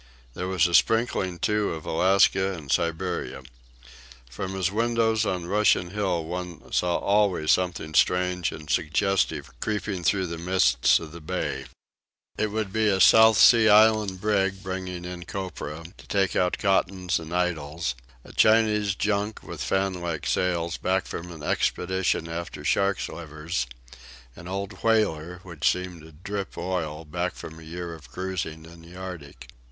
There was a sprinkling, too, of Alaska and Siberia. From his windows on Russian Hill one saw always something strange and suggestive creeping through the mists of the bay. It would be a South Sea Island brig, bringing in copra, to take out cottons and idols; a Chinese junk with fan like sails, back from an expedition after sharks' livers; an old whaler, which seemed to drip oil, back from a year of cruising in the Arctic.